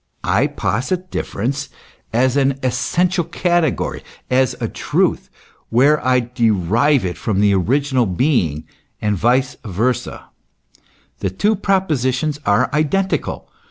I posit difference as an essential category, as a truth, where I derive it from the original being, and vice versa : the two propositions are identical.